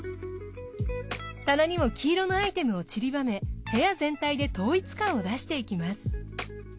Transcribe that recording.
棚にも黄色のアイテムを散りばめ部屋全体で統一感を出していきます。